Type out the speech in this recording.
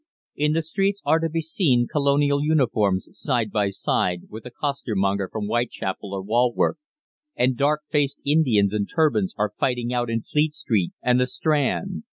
"In the streets are to be seen Colonial uniforms side by side with the costermonger from Whitechapel or Walworth, and dark faced Indians in turbans are fighting out in Fleet Street and the Strand.